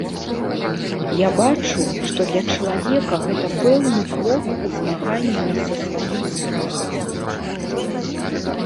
Я бачу, што для чалавека гэта пэўны крок у змаганні са сваім страхам.